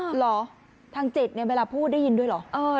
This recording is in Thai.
เหรอทางจิตเนี่ยเวลาพูดได้ยินด้วยเหรอ